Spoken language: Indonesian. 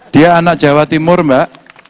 dia anak jawa timur mbak